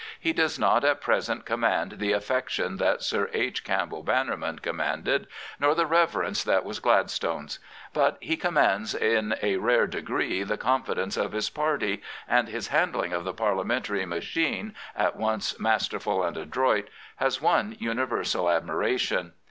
He does not at present command the affec tion that Sir H. Campbell Bannerman commanded, nor the reverence that was Gladstone's. But he com mands in a rare degree the confidence of his party, and his handling of the Parliamentary machine, at once masterful and adroit, has won universal admira tion.